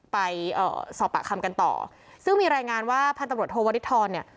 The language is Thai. เอ่อสอบปากคำกันต่อซึ่งมีรายงานว่าพันตำรวจโทวริทรเนี่ย